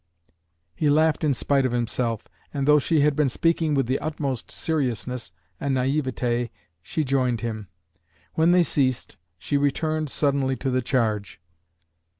He laughed in spite of himself; and though she had been speaking with the utmost seriousness and naiveté, she joined him. When they ceased, she returned suddenly to the charge.